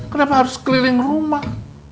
kenapa harus keliling rumah